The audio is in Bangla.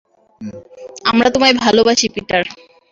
আমরা তোমায় ভালোবাসি, পিটার!